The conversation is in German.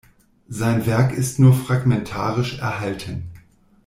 Sein Werk ist nur fragmentarisch erhalten.